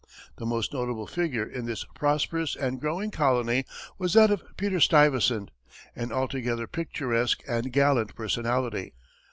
The most notable figure in this prosperous and growing colony was that of Peter Stuyvesant, an altogether picturesque and gallant personality.